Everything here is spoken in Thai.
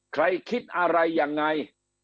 ใครคิดอะไรยังไง